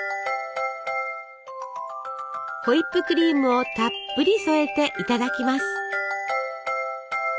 ホイップクリームをたっぷり添えていただきます。